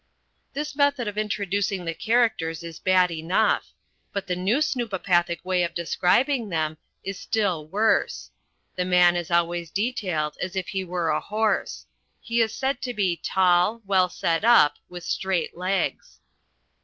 This method of introducing the characters is bad enough. But the new snoopopathic way of describing them is still worse. The Man is always detailed as if he were a horse. He is said to be "tall, well set up, with straight legs."